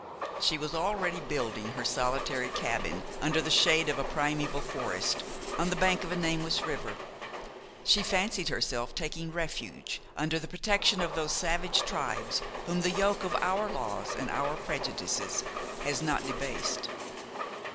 She was already building her solitary cabin under the shade of a primeval forest, on the bank of a nameless river; she fancied herself taking refuge under the protection of those savage tribes whom the yoke of our laws and our prejudices has not debased.